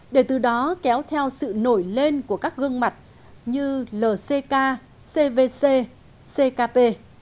để từ đó kéo theo sự nổi lên của các gương mặt như lck cvc ckp